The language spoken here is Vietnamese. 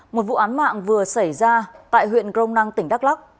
một vụ án mạng vừa xảy ra tại huyện grông năng tỉnh đắk lắk